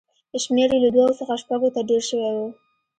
شمېر یې له دوو څخه شپږو ته ډېر شوی و